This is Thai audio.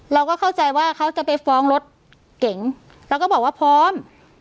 เราก็เข้าใจว่าเขาจะไปฟ้องรถเก๋งแล้วก็บอกว่าพร้อม